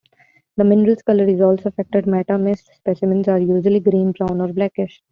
The mineral's colour is also affected: metamict specimens are usually green, brown or blackish.